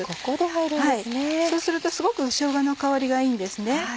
そうするとすごくしょうがの香りがいいんですね。